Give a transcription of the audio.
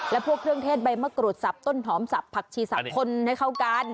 และพวกเครื่องเทศใบมะกรูดสับต้นหอมสับผักชีสับคนให้เข้ากัน